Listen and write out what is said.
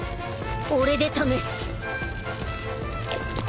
俺で試す！